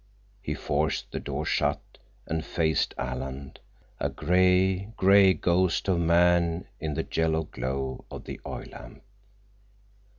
He forced the door shut and faced Alan, a great, gray ghost of a man in the yellow glow of the oil lamp.